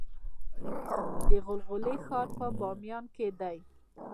د غلغلې ښار په بامیان کې دی